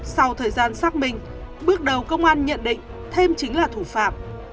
sau thời gian xác minh bước đầu công an nhận định thêm chính là thủ phạm